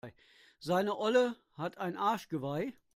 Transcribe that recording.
Seine Olle hat ein Arschgeweih.